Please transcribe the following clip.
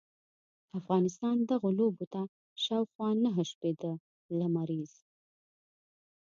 افغانستان دغو لوبو ته شاوخوا نهه شپیته ل